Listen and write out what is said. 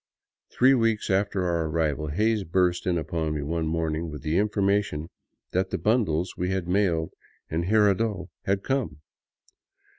Three weeks after our arrival Hays burst in upon me one morning with the information that the bundles we had mailed in Jirardot had come.